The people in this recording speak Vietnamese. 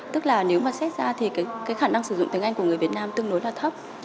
tức là nếu mà xét ra thì cái khả năng sử dụng tiếng anh của người việt nam tương đối là thấp